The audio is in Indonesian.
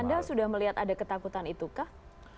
anda sudah melihat ada ketakutan itukah